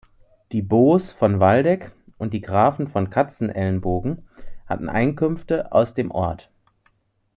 Die Boos von Waldeck und die Grafen von Katzenelnbogen hatten Einkünfte aus dem Ort.